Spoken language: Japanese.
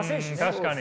確かに。